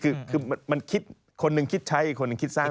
คือมันคิดคนหนึ่งคิดใช้อีกคนนึงคิดสร้าง